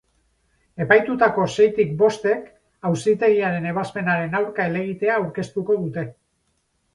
Epaitutako seitik bostek auzitegiaren ebazpenaren aurka helegitea aurkeztuko dute.